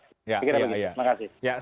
saya kira begitu terima kasih